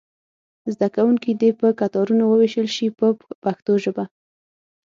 زده کوونکي دې په کتارونو وویشل شي په پښتو ژبه.